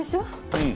うん。